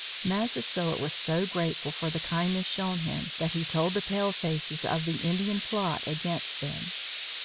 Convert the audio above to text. Massasoit was so grateful for the kindness shown him that he told the palefaces of the Indian plot against them.